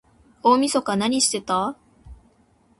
大晦日なにしてた？